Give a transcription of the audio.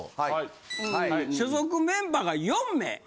所属メンバーが４名。